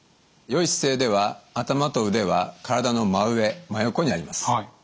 良い姿勢では頭と腕は体の真上真横にあります。